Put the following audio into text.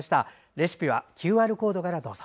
レシピはＱＲコードからどうぞ。